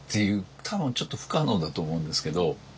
多分ちょっと不可能だと思うんですけど。